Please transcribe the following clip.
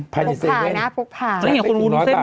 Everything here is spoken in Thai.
พุกผ่านะพุกผ่าพ่อนายปั๊บไปทุกน้อยน่ะ